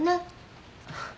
あっ。